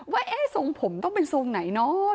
ว่าทรงผมต้องเป็นทรงไหนเนอะ